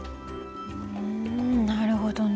ふんなるほどね。